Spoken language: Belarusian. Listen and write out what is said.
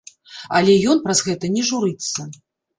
Але ён праз гэта не журыцца.